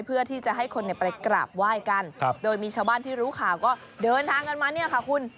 เพื่อที่จะให้คนไปกราบไหว้กันโดยมีชาวบ้านที่รู้ข่าวก็เดินทางกันมาเนี่ยค่ะคุณ